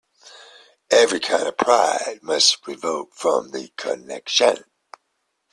Every kind of pride must revolt from the connection.